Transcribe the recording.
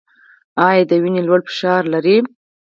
ایا د وینې لوړ فشار لرئ؟